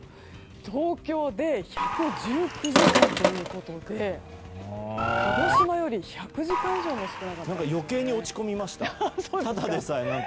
東京で１１９時間ということで鹿児島より１００時間以上も少なかったんですね。